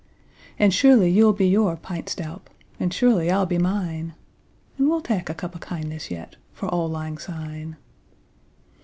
And surely ye'll be your pint stowp, And surely I'll be mine; And we'll tak a cup o' kindness yet For auld lang syne!